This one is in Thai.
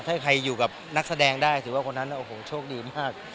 ถ้าใครอยู่กับนักแสดงได้ถือว่าคนนั้นโอ้โหโชคดีมาก